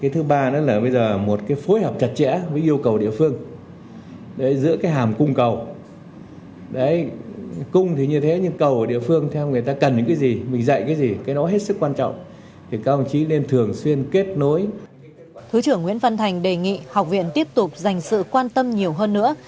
thứ trưởng nguyễn văn thành đề nghị học viện tiếp tục dành sự quan tâm nhiều hơn nữa